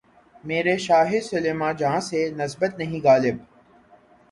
میرے شاہِ سلیماں جاہ سے نسبت نہیں‘ غالبؔ!